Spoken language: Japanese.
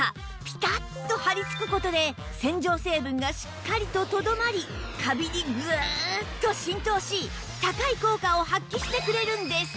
ピタッと張りつく事で洗浄成分がしっかりととどまりカビにグーッと浸透し高い効果を発揮してくれるんです